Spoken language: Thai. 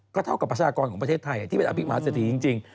ก็เท่ากับประชากรของประเทศไทยที่เป็นอภิมหาเศรษฐีจริง